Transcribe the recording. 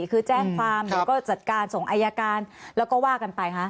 คือแจ้งความเดี๋ยวก็จัดการส่งอายการแล้วก็ว่ากันไปคะ